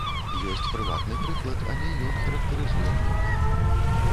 Ёсць прыватны прыклад, але ён характарызуе многае.